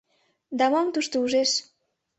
Да мом тушто ужеш?